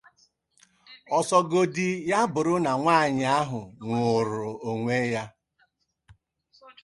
ọsọgodi ya bụrụ na nwaanyị ahụ nwụụrụ onwe ya